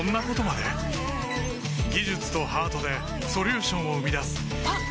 技術とハートでソリューションを生み出すあっ！